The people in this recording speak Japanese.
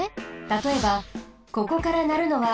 たとえばここからなるのは。